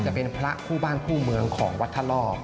จะเป็นพระคู่บ้านคู่เมืองของวัดทะล่อ